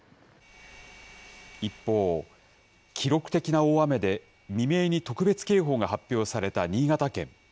一方、記録的な大雨で未明に特別警報が発表された新潟県。